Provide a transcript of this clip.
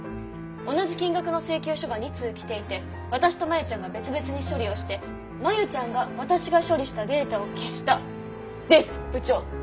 同じ金額の請求書が２通来ていて私と真夕ちゃんが別々に処理をして真夕ちゃんが私が処理したデータを消したです部長。